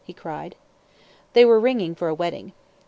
he cried. They were ringing for a wedding.